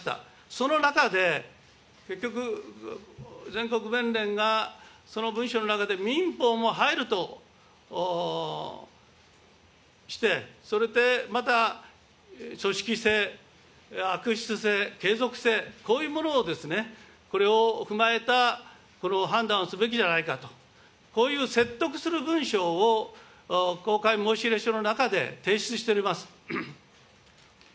その中で、結局、全国弁連がその文書の中で、民法も入るとして、それでまた組織性、悪質性、継続性、こういうものを、これを踏まえたこの判断をすべきじゃないかと、こういう説得する文書を公開申し入れ書の中で提出しております。